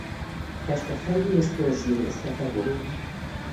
Teste feji és törzsi részre tagolódik.